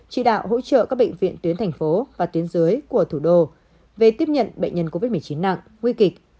chỉ đạo hỗ trợ các bệnh viện tuyến thành phố và tuyến dưới của thủ đô về tiếp nhận bệnh nhân covid một mươi chín nặng nguy kịch